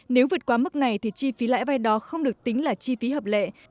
nếu vượt qua mức này thì chi phí lãi vay đó không được tính là chi phí hợp lệ